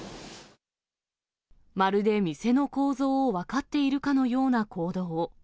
まるで店の構造を分かっているかのような行動を。